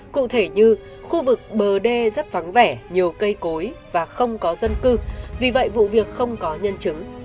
cụ thể như khu vực bờ đê rất vắng vẻ nhiều cây cối và không có dân cư vì vậy vụ việc không có nhân chứng